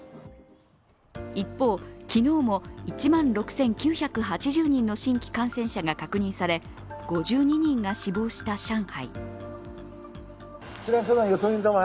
一方、昨日も１万６９８０人の新規感染者が確認され、５２人が死亡した上海。